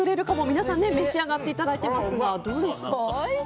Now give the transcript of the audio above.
皆さん召し上がっていただいていますがどうですか？